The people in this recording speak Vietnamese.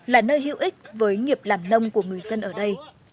là nơi hữu ích với nghiệp làm nông của người dân ở đây